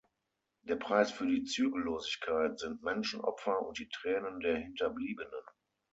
Der Preis für die Zügellosigkeit sind Menschenopfer und die Tränen der Hinterbliebenen.